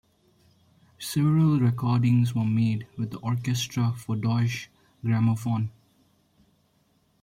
Several recordings were made with the orchestra for Deutsche Grammophon.